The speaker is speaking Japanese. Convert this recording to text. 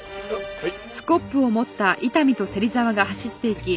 はい。